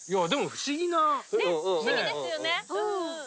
不思議ですよね。